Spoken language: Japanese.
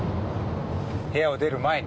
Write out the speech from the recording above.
部屋を出る前に。